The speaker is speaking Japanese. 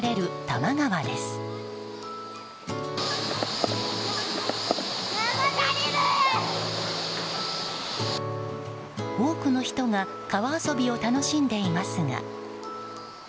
多くの人が川遊びを楽しんでいますが。